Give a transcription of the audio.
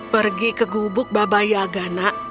pergi ke gubuk baba yaga nak